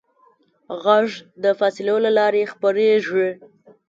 غږ د فاصلو له لارې خپرېږي.